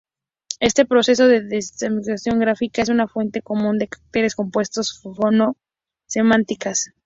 Este proceso de desambiguación gráfica es una fuente común de caracteres compuestos fono-semánticas.